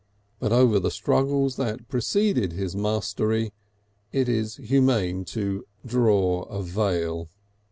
But over the struggles that preceded his mastery it is humane to draw a veil.